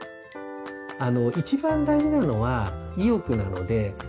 あの一番大事なのは意欲なので。